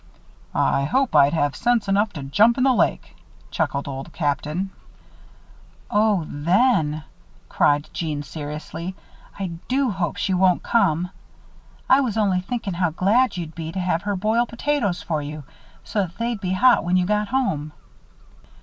"I hope I'd have sense enough to jump in the lake," chuckled Old Captain. "Oh then," cried Jeanne, seriously, "I do hope she won't come. I was only thinking how glad you'd be to have her boil potatoes for you so they'd be hot when you got home."